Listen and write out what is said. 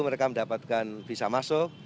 mereka mendapatkan bisa masuk